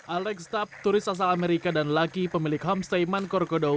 alex dab turis asal amerika dan laki pemilik homestay mongkarkodo